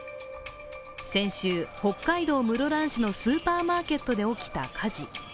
先週、北海道室蘭市のスーパーマーケットで起きた火事。